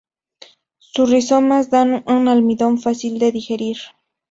Sus rizomas dan un almidón fácil de digerir.